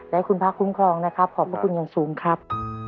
และคุณพระคุ้มครองนะครับขอบพระคุณอย่างสูงครับ